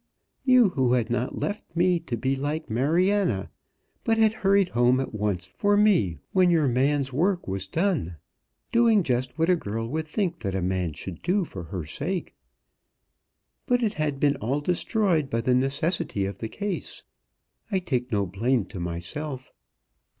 You who had not left me to be like Mariana, but had hurried home at once for me when your man's work was done, doing just what a girl would think that a man should do for her sake. But it had been all destroyed by the necessity of the case. I take no blame to myself."